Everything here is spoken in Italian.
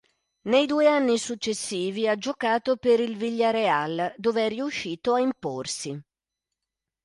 Nei due anni successivi ha giocato per il Villarreal, dove è riuscito ad imporsi.